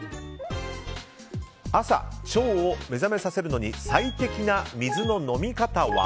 朝、腸を目覚めさせるのに最適な水の飲み方は。